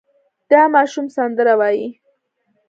دا ماشوم سندره وايي.